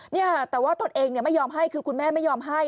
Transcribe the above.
นี่ค่ะแต่ว่าตนเองไม่ยอมให้คือคุณแม่ไม่ยอมให้